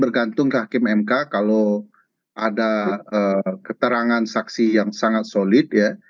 bergantung ke hakim mk kalau ada keterangan saksi yang sangat solid ya